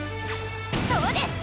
そうです！